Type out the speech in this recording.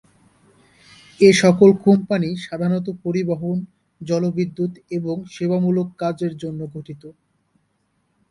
এ সকল কোম্পানি সাধারণত পরিবহন, জলবিদ্যুৎ এবং সেবামূলক কাজের জন্য গঠিত।